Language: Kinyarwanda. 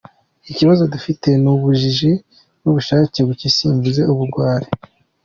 Ikibazo dufite n’ubujiji n’ubushake buke simvuze ubugwari.